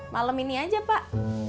malem ini aja pak